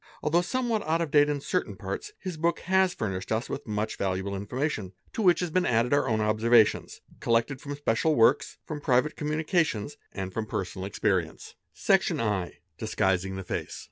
Although somewhat out of date in certain parts his book has furnished us with much valuable information, to which has been added our own observations collected from special works, from private communications, and from personal experience. 50 Sil Section ii—Disguising the face.